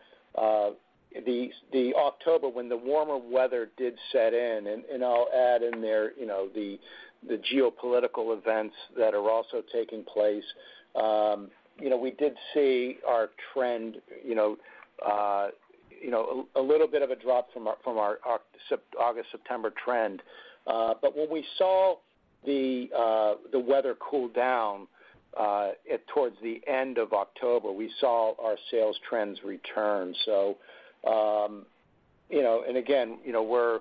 The October, when the warmer weather did set in, and I'll add in there, you know, the geopolitical events that are also taking place, you know, we did see our trend, you know, a little bit of a drop from our August-September trend. But when we saw the weather cool down, towards the end of October, we saw our sales trends return. So, you know, and again, you know, we're,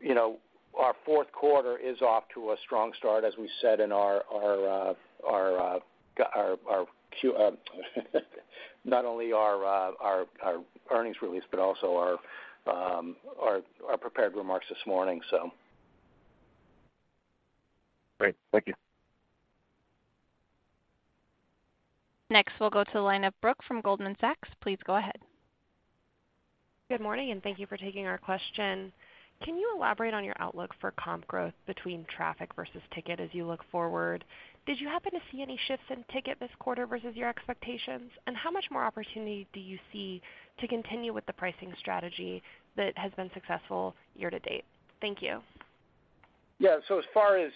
you know, our fourth quarter is off to a strong start, as we said in our, not only our earnings release, but also our prepared remarks this morning, so. Great. Thank you. Next, we'll go to the line of Brooke from Goldman Sachs. Please go ahead. Good morning, and thank you for taking our question. Can you elaborate on your outlook for comp growth between traffic versus ticket as you look forward? Did you happen to see any shifts in ticket this quarter versus your expectations? And how much more opportunity do you see to continue with the pricing strategy that has been successful year-to-date? Thank you. Yeah. So as far as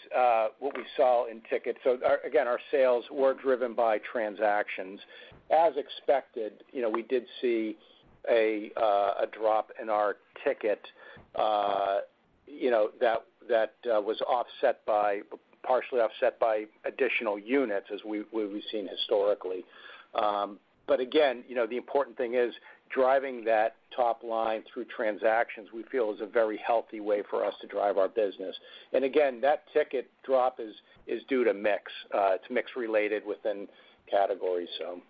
what we saw in tickets, so our—again, our sales were driven by transactions. As expected, you know, we did see a drop in our ticket, you know, that was partially offset by additional units as we've seen historically. But again, you know, the important thing is driving that top line through transactions, we feel is a very healthy way for us to drive our business. And again, that ticket drop is due to mix. It's mix related within categories, so...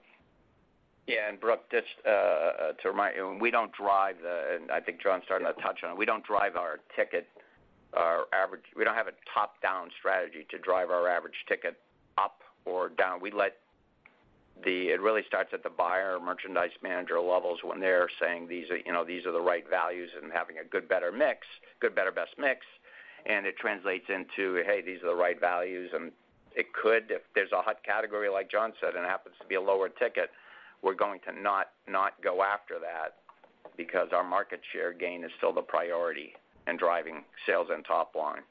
Yeah, and Brooke, just to remind you, we don't drive the—and I think John started to touch on it. We don't drive our ticket, our average—we don't have a top-down strategy to drive our average ticket up or down. We let the—it really starts at the buyer or merchandise manager levels when they're saying these are, you know, these are the right values and having a good, better mix, good, better, best mix, and it translates into, "Hey, these are the right values," and it could, if there's a hot category, like John said, and it happens to be a lower ticket, we're going to not, not go after that because our market share gain is still the priority in driving sales and top line.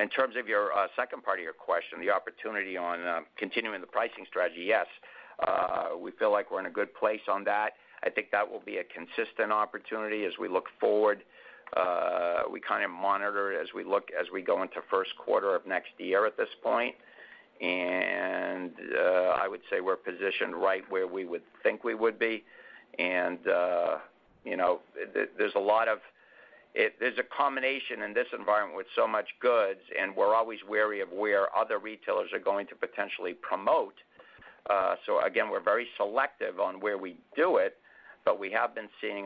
In terms of your second part of your question, the opportunity on continuing the pricing strategy, yes, we feel like we're in a good place on that. I think that will be a consistent opportunity as we look forward. We kind of monitor it as we go into first quarter of next year at this point. I would say we're positioned right where we would think we would be. You know, there, there's a lot of... There's a combination in this environment with so much goods, and we're always wary of where other retailers are going to potentially promote. So again, we're very selective on where we do it, but we have been seeing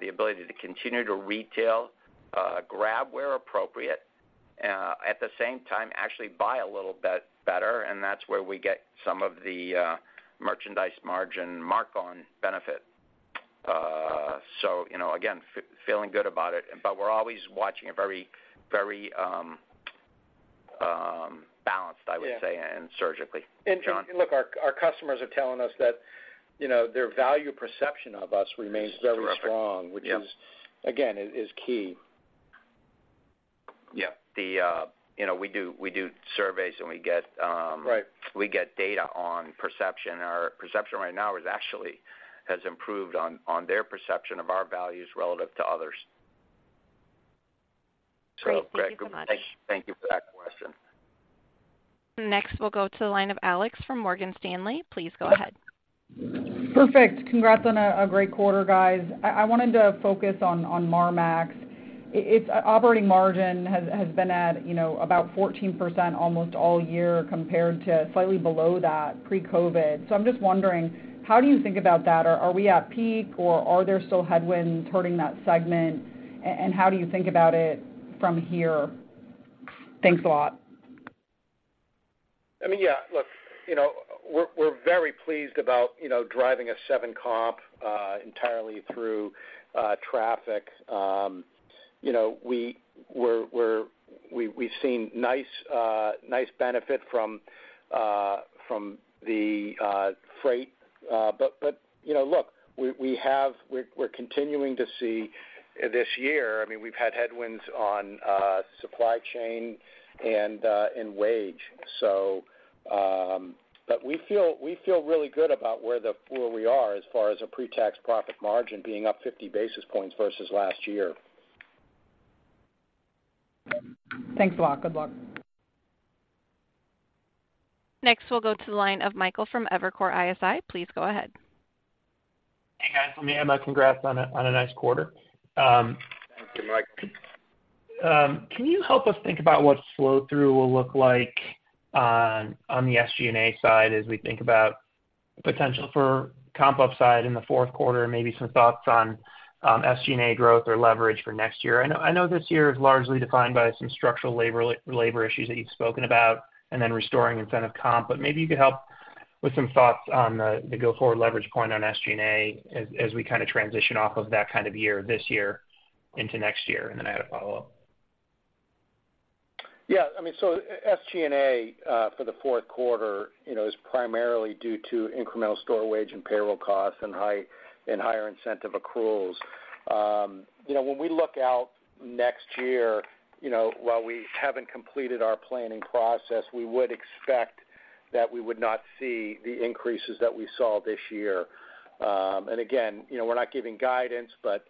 the ability to continue to retail grab where appropriate, at the same time, actually buy a little bit better, and that's where we get some of the merchandise margin markup benefit. So, you know, again, feeling good about it, but we're always watching it very, very balanced, I would say, and surgically. John? And look, our customers are telling us that, you know, their value perception of us remains very strong. Terrific. which is, again, key. Yeah. The, you know, we do, we do surveys, and we get- Right. We get data on perception. Our perception right now is actually has improved on their perception of our values relative to others. Great. Thank you so much. Thank you for that question. Next, we'll go to the line of Alex from Morgan Stanley. Please go ahead. Perfect. Congrats on a great quarter, guys. I wanted to focus on Marmaxx. Its operating margin has been at you know about 14% almost all year compared to slightly below that pre-COVID. So I'm just wondering, how do you think about that? Are we at peak, or are there still headwinds hurting that segment? And how do you think about it from here? Thanks a lot. I mean, yeah, look, you know, we're very pleased about, you know, driving a 7 comp entirely through traffic. You know, we've seen nice benefit from the freight. But, you know, look, we're continuing to see this year, I mean, we've had headwinds on supply chain and wage. So, but we feel really good about where we are as far as a pre-tax profit margin being up 50 basis points versus last year. Thanks a lot. Good luck. Next, we'll go to the line of Michael from Evercore ISI. Please go ahead. Hey, guys. Let me add my congrats on a nice quarter. Thank you, Mike. Can you help us think about what flow-through will look like on the SG&A side as we think about potential for comp upside in the fourth quarter and maybe some thoughts on SG&A growth or leverage for next year? I know, I know this year is largely defined by some structural labor, labor issues that you've spoken about and then restoring incentive comp, but maybe you could help with some thoughts on the go-forward leverage point on SG&A as we kind of transition off of that kind of year, this year into next year. And then I had a follow-up. Yeah, I mean, so SG&A for the fourth quarter, you know, is primarily due to incremental store wage and payroll costs and higher incentive accruals. You know, when we look out next year, you know, while we haven't completed our planning process, we would expect that we would not see the increases that we saw this year. And again, you know, we're not giving guidance, but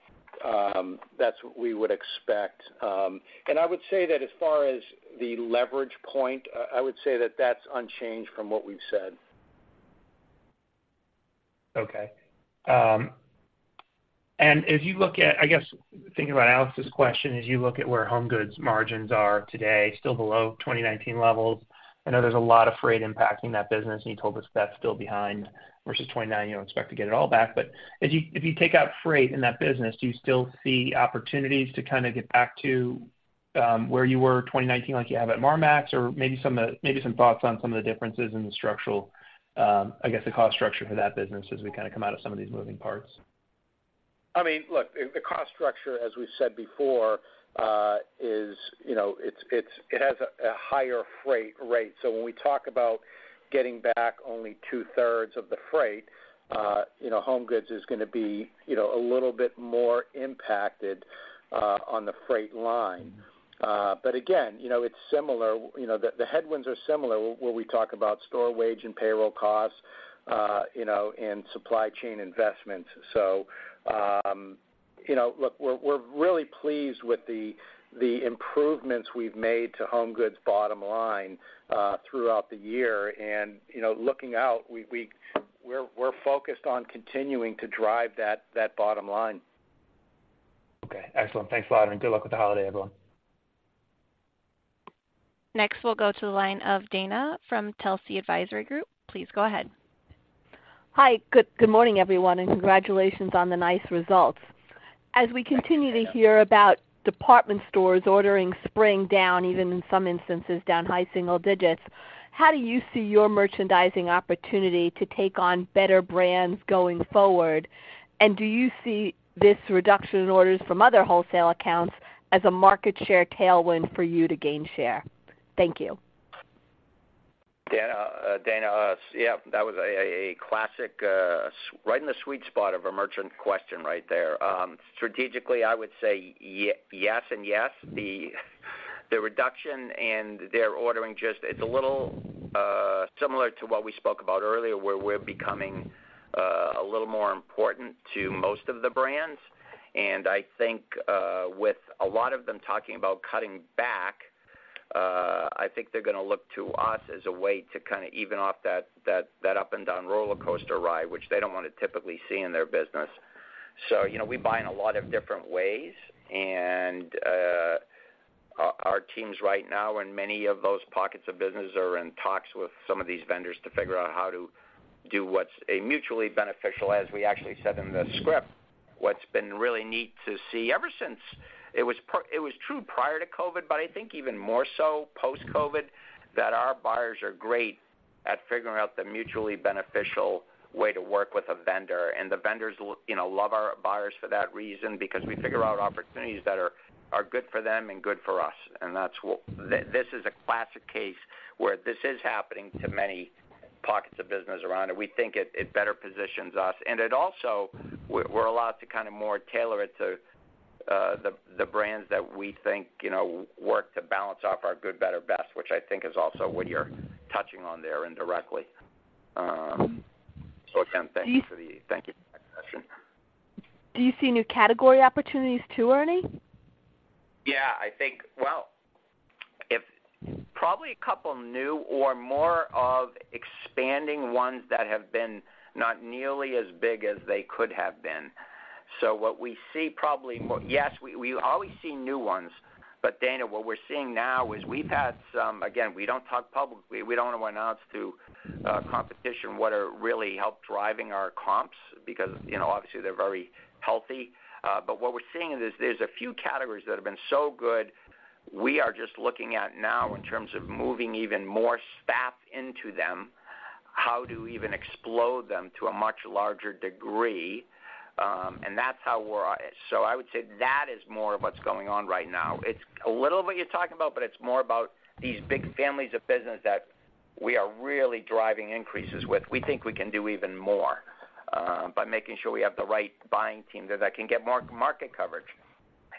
that's what we would expect. And I would say that as far as the leverage point, I would say that that's unchanged from what we've said. Okay. And, I guess, thinking about Alex's question, as you look at where HomeGoods margins are today, still below 2019 levels, I know there's a lot of freight impacting that business, and you told us that's still behind versus 2019. You don't expect to get it all back. But if you take out freight in that business, do you still see opportunities to kind of get back to-... where you were 2019, like you have at Marmaxx, or maybe some of the, maybe some thoughts on some of the differences in the structural, I guess, the cost structure for that business as we kind of come out of some of these moving parts? I mean, look, the cost structure, as we said before, is, you know, it's it has a higher freight rate. So when we talk about getting back only two-thirds of the freight, you know, HomeGoods is gonna be, you know, a little bit more impacted on the freight line. But again, you know, it's similar, you know, the headwinds are similar when we talk about store wage and payroll costs, you know, and supply chain investments. So, you know, look, we're really pleased with the improvements we've made to HomeGoods' bottom line throughout the year. And, you know, looking out, we're focused on continuing to drive that bottom line. Okay, excellent. Thanks a lot, Ernie. Good luck with the holiday, everyone. Next, we'll go to the line of Dana from Telsey Advisory Group. Please go ahead. Hi. Good, good morning, everyone, and congratulations on the nice results. As we continue to hear about department stores ordering spring down, even in some instances, down high single digits, how do you see your merchandising opportunity to take on better brands going forward? And do you see this reduction in orders from other wholesale accounts as a market share tailwind for you to gain share? Thank you. Dana, yeah, that was a classic right in the sweet spot of a merchant question right there. Strategically, I would say yes and yes. The reduction in their ordering just... It's a little similar to what we spoke about earlier, where we're becoming a little more important to most of the brands. And I think, with a lot of them talking about cutting back, I think they're gonna look to us as a way to kind of even off that up-and-down rollercoaster ride, which they don't want to typically see in their business. So, you know, we buy in a lot of different ways, and our teams right now, in many of those pockets of business, are in talks with some of these vendors to figure out how to do what's a mutually beneficial, as we actually said in the script. What's been really neat to see, ever since it was true prior to COVID, but I think even more so post-COVID, that our buyers are great at figuring out the mutually beneficial way to work with a vendor. And the vendors you know, love our buyers for that reason, because we figure out opportunities that are good for them and good for us. And that's what this is a classic case where this is happening to many pockets of business around, and we think it better positions us. It also, we're allowed to kind of more tailor it to the brands that we think, you know, work to balance off our good, better, best, which I think is also what you're touching on there indirectly. So again, thank you for the- Do you- Thank you for that question. Do you see new category opportunities, too, Ernie? Yeah, I think, well, if probably a couple new or more of expanding ones that have been not nearly as big as they could have been. So what we see probably more. Yes, we, we always see new ones, but Dana, what we're seeing now is we've had some. Again, we don't talk publicly. We don't wanna announce to competition what are really help driving our comps because, you know, obviously, they're very healthy. But what we're seeing is there's a few categories that have been so good, we are just looking at now, in terms of moving even more staff into them, how to even explode them to a much larger degree, and that's how we're. So I would say that is more of what's going on right now. It's a little of what you're talking about, but it's more about these big families of business that we are really driving increases with. We think we can do even more by making sure we have the right buying team there that can get more market coverage.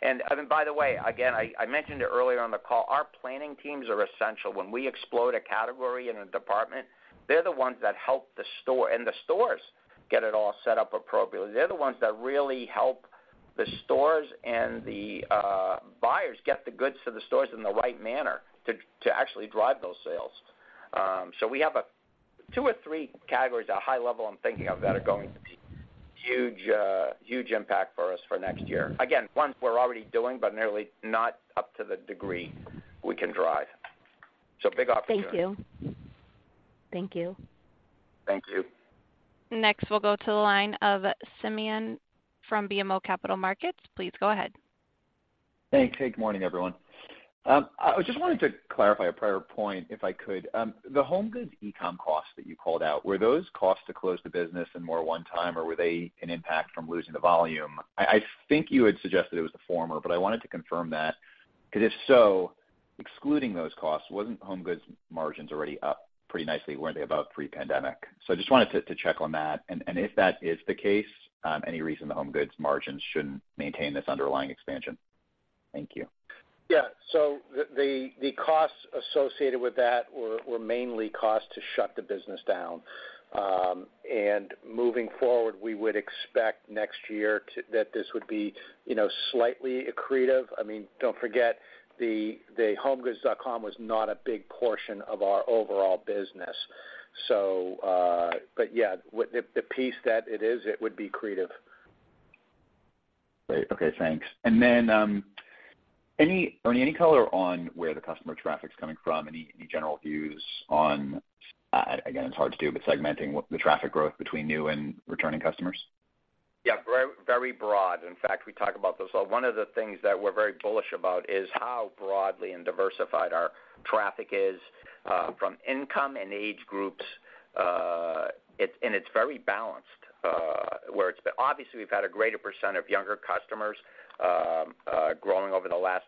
And by the way, again, I mentioned it earlier on the call, our planning teams are essential. When we explode a category in a department, they're the ones that help the store, and the stores get it all set up appropriately. They're the ones that really help the stores and the buyers get the goods to the stores in the right manner to actually drive those sales. So we have two or three categories at a high level I'm thinking of, that are going to be huge huge impact for us for next year. Again, ones we're already doing, but not nearly up to the degree we can drive. So big opportunity. Thank you. Thank you. Thank you. Next, we'll go to the line of Simeon from BMO Capital Markets. Please go ahead. Thanks. Hey, good morning, everyone. I just wanted to clarify a prior point, if I could. The HomeGoods e-com costs that you called out, were those costs to close the business and more one time, or were they an impact from losing the volume? I think you had suggested it was the former, but I wanted to confirm that, because if so, excluding those costs, wasn't HomeGoods margins already up pretty nicely, weren't they about pre-pandemic? So I just wanted to check on that. And if that is the case, any reason the HomeGoods margins shouldn't maintain this underlying expansion? Thank you. Yeah. So the costs associated with that were mainly costs to shut the business down. And moving forward, we would expect next year that this would be, you know, slightly accretive. I mean, don't forget, the HomeGoods.com was not a big portion of our overall business. So, but yeah, the piece that it is, it would be accretive. Great. Okay, thanks. And then, any, Ernie, any color on where the customer traffic's coming from? Any, any general views on, again, it's hard to do, but segmenting what the traffic growth between new and returning customers? ... Yeah, very, very broad. In fact, we talk about this. So one of the things that we're very bullish about is how broadly and diversified our traffic is from income and age groups. And it's very balanced, but obviously, we've had a greater percent of younger customers growing over the last,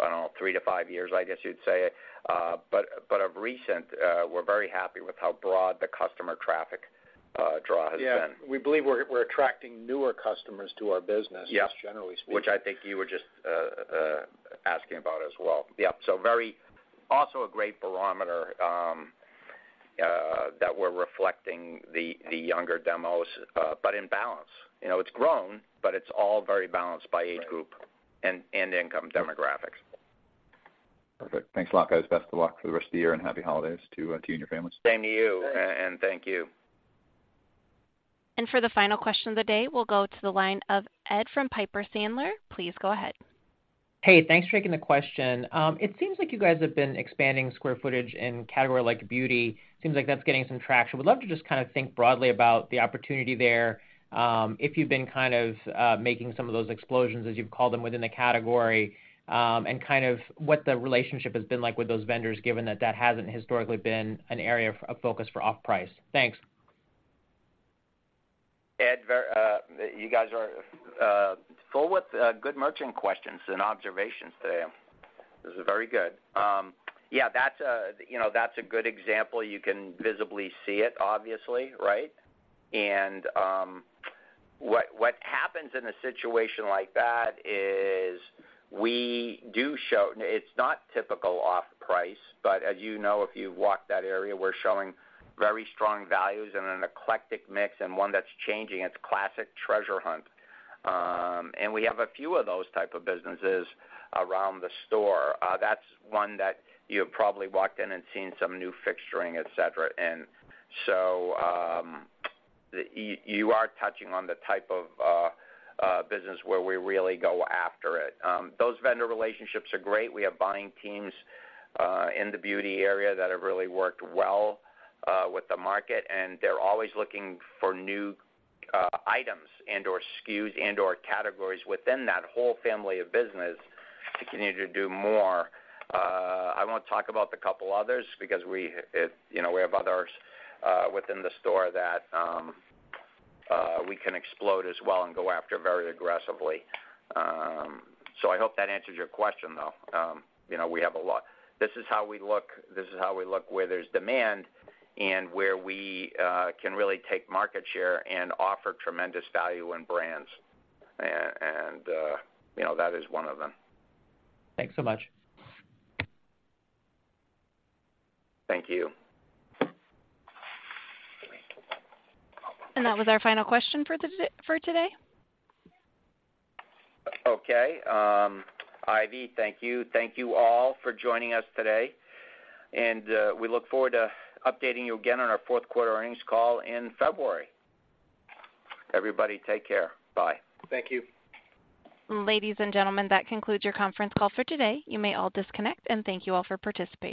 I don't know, three to five years, I guess you'd say. But of recent, we're very happy with how broad the customer traffic draw has been. Yeah, we believe we're attracting newer customers to our business- Yeah Just generally speaking. Which I think you were just asking about as well. Yep, so very also a great barometer that we're reflecting the younger demos, but in balance. You know, it's grown, but it's all very balanced by age group- Right income demographics. Perfect. Thanks a lot, guys. Best of luck for the rest of the year, and happy holidays to you and your families. Same to you. Thanks. Thank you. For the final question of the day, we'll go to the line of Ed from Piper Sandler. Please go ahead. Hey, thanks for taking the question. It seems like you guys have been expanding square footage in category like beauty. Seems like that's getting some traction. Would love to just kind of think broadly about the opportunity there, if you've been kind of making some of those explosions, as you've called them, within the category, and kind of what the relationship has been like with those vendors, given that that hasn't historically been an area of focus for off-price. Thanks. Ed, you guys are full with good merchant questions and observations today. This is very good. Yeah, that's a, you know, that's a good example. You can visibly see it, obviously, right? And what happens in a situation like that is we do show. It's not typical off-price, but as you know, if you walk that area, we're showing very strong values and an eclectic mix and one that's changing. It's classic treasure hunt. And we have a few of those type of businesses around the store. That's one that you have probably walked in and seen some new fixturing, et cetera. And so, you are touching on the type of business where we really go after it. Those vendor relationships are great. We have buying teams in the beauty area that have really worked well with the market, and they're always looking for new items and/or SKUs and/or categories within that whole family of business to continue to do more. I won't talk about the couple others because we, it, you know, we have others within the store that we can explode as well and go after very aggressively. So I hope that answers your question, though. You know, we have a lot. This is how we look, this is how we look where there's demand and where we can really take market share and offer tremendous value in brands. And, and you know, that is one of them. Thanks so much. Thank you. That was our final question for the day, for today. Okay. Ivy, thank you. Thank you all for joining us today, and we look forward to updating you again on our fourth quarter earnings call in February. Everybody, take care. Bye. Thank you. Ladies and gentlemen, that concludes your conference call for today. You may all disconnect, and thank you all for participating.